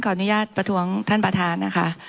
อนุญาตประท้วงท่านประธานนะคะ